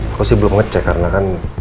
aku sih belum ngecek karena kan